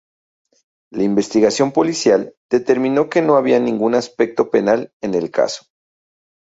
La investigación policial determinó que no había ningún aspecto penal en el caso.